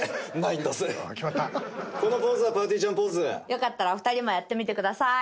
よかったらお二人もやってみてください。